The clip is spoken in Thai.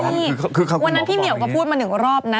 วันนั้นพี่เหมียวก็พูดมาหนึ่งรอบนะ